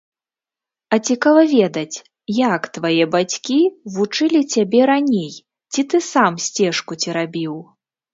А цікава ведаць, як твае бацькі вучылі цябе раней, ці ты сам сцежку церабіў?